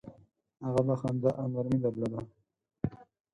هغه به خندا او نرمي درلوده.